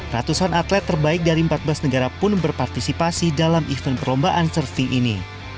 ratusan atlet terbaik dari empat belas negara pun berpartisipasi dalam event perlombaan surfing ini